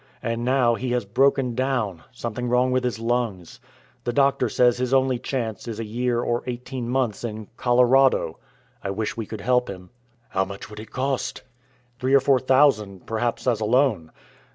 And now he has broken down, something wrong with his lungs. The doctor says his only chance is a year or eighteen months in Colorado. I wish we could help him." "How much would it cost?" "Three or four thousand, perhaps, as a loan."